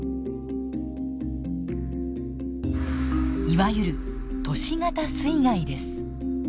いわゆる都市型水害です。